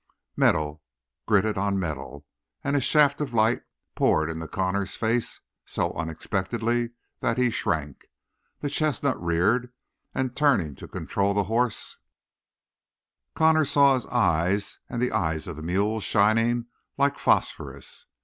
Metal gritted on metal, and a shaft of light poured into Connor's face so unexpectedly that he shrank. The chestnut reared, and turning to control the horse, Connor saw his eyes and the eyes of the mule shining like phosphorus.